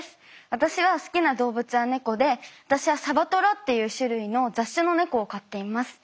私が好きな動物は猫で私はサバトラっていう種類の雑種の猫を飼っています。